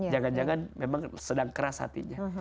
jangan jangan memang sedang keras hatinya